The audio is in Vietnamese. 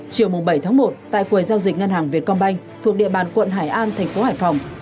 chiều bảy một tại quầy giao dịch ngân hàng vietcombank thuộc địa bàn quận hải an thành phố hải phòng